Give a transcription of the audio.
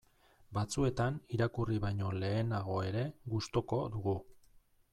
Batzuetan irakurri baino lehenago ere gustuko dugu.